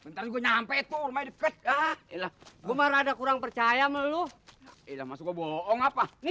ntar ini rumahnya kan